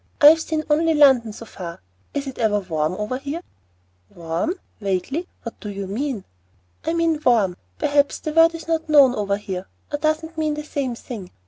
I've seen only London so far. Is it ever warm over here?" "Warm?" vaguely, "what do you mean?" "I mean warm. Perhaps the word is not known over here, or doesn't mean the same thing.